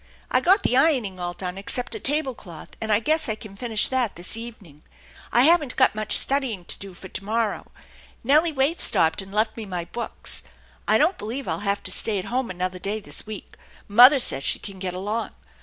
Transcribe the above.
I got the ironing all done except a table cloth, and I guess I can finish that this evening. I haven'fc got much studying to do for to morrow. Nellie Waite stopped^ and left me my books. I don't believe I'll have to stay at home another day this week. Mother says she can get along.